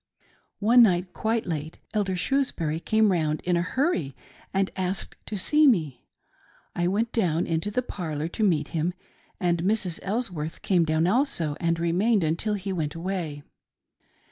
One night, quite late, Elder Shrewsbury came round in a hurry, and asked to see me. I went down into the parlour to meet him, and Mrs. Elsworth came down also, and remained until he went away.